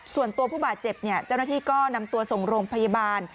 ส่วนตัวผู้บาดเจ็บเจ้าหน้าที่ก็นำตัวส่งโรงพยาบาล